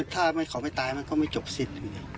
ถ้าไม่เขาไม่ตายมันก็ไม่จบสิ้น